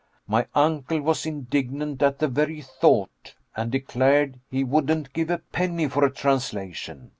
My uncle was indignant at the very thought, and declared he wouldn't give a penny for a translation.